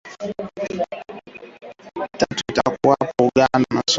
Tatu, ikifuatiwa na Uganda (asilimia themanini na mbili.